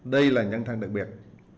đây là nhân thân đặc biệt